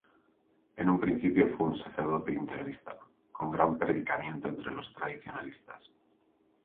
En un principio fue un sacerdote integrista, con gran predicamento entre los tradicionalistas.